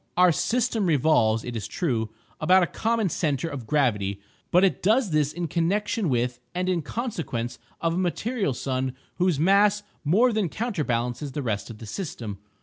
Our system revolves, it is true, about a common centre of gravity, but it does this in connection with and in consequence of a material sun whose mass more than counterbalances the rest of the system.